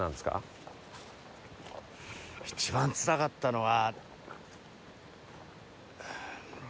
一番つらかったのは。